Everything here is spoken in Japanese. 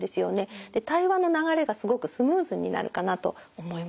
対話の流れがすごくスムーズになるかなと思います。